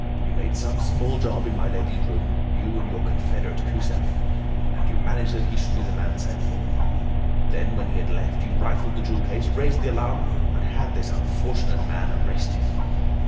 You made some small job in my lady's room—you and your confederate Cusack—and you managed that he should be the man sent for. Then, when he had left, you rifled the jewel case, raised the alarm, and had this unfortunate man arrested.